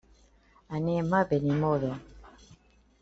Anem a Benimodo.